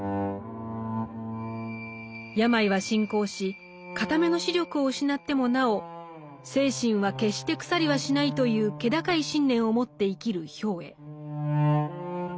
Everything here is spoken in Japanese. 病は進行し片目の視力を失ってもなお「精神は決して腐りはしない」という気高い信念を持って生きる兵衛。